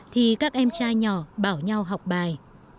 thì các em trai nhỏ bảo nhau học bài